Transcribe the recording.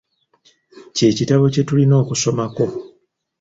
Kye kitabo kye tulina okusomako.